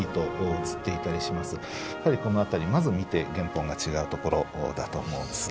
やはりこの辺りまず見て原本が違うところだと思うんですね。